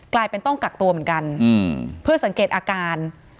กลายเป็นต้องกักตัวเหมือนกันเพื่อสังเกตอาการ